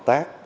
và tân tùng